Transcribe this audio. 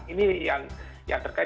ini yang terkait